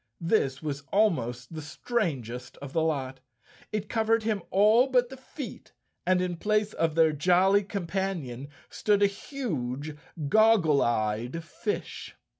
This was almost the strangest of the lot. It covered him all but the feet, and in place of their jolly companion stood a huge goggle eyed fish.